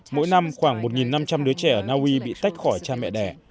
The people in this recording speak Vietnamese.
mỗi năm khoảng một năm trăm linh đứa trẻ ở naui bị tách khỏi cha mẹ đẻ